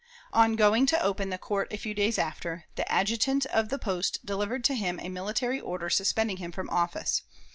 On going to open the court a few days after, the adjutant of the post delivered to him a military order suspending him from office.